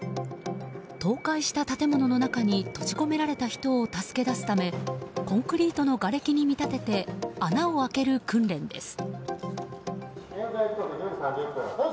倒壊した建物の中に閉じ込められた人を助け出すためコンクリートのがれきに見立てて穴を開ける訓練です。